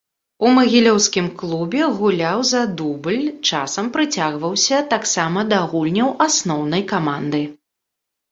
У магілёўскім клубе гуляў за дубль, часам прыцягваўся таксама да гульняў асноўнай каманды.